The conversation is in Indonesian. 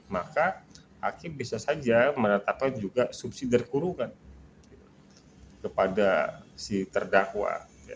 maka hakim bisa saja menetapkan juga subsidi kurungan kepada si terdakwa